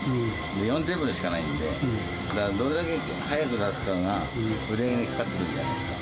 ４テーブルしかないんで、どれだけ早く出すかが、売り上げが変わってくるじゃないですか。